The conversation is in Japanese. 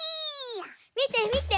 みてみて！